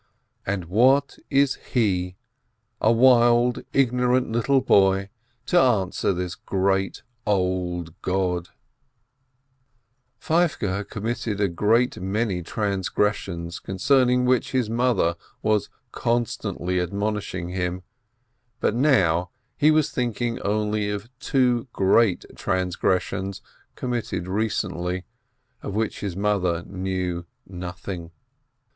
And what is he, a wild, ignorant little boy, to answer this great, old God ? Feivke had committed a great many transgressions concerning which his mother was constantly admonish ing him, but now he was thinking only of two great transgressions committed recently, of which his mother knew nothing.